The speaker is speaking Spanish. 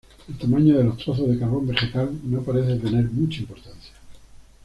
El tamaño de los trozos de carbón vegetal no parece tener mucha importancia.